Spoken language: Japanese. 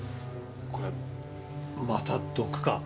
これまた毒か？